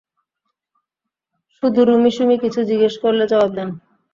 শুধু রুমী সুমী কিছু জিজ্ঞেস করলে জবাব দেন।